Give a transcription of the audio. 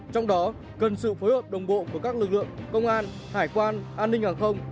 trong đó cần sự phối hợp đồng bộ của các lực lượng công an hải quan an ninh hàng không